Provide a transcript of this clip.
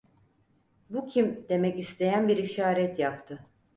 "Bu kim?" demek isteyen bir işaret yaptı.